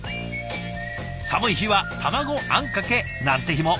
寒い日は卵あんかけなんて日も。